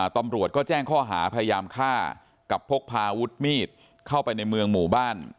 ตำรวจก็แจ้งข้อหาพยายามฆ่ากับพกพาอาวุธมีดเข้าไปในเมืองหมู่บ้าน